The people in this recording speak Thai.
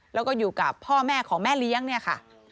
แล้วก็อยู่กับพ่อแม่ของแม่เลี้ยงเนี่ยค่ะ